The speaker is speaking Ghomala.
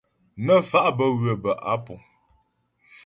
Nə́ fa' bə́ ywə̌ bə́ á púŋ.